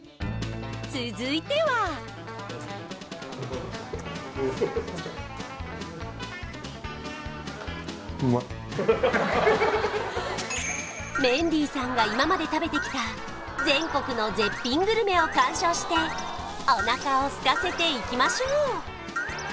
続いてはメンディーさんが今まで食べてきた全国の絶品グルメを鑑賞してお腹をすかせていきましょう！